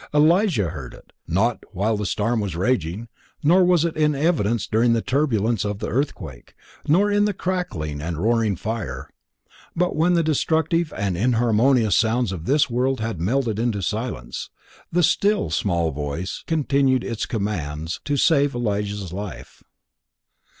Elijah heard it not while the storm was raging; nor was it in evidence during the turbulence of the earthquake, nor in the crackling and roaring fire, but when the destructive and inharmonious sounds of this world had melted into silence, "the still small voice" issued its commands to save Elijah's life.